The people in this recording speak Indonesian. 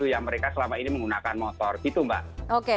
yang mereka selama ini menggunakan motor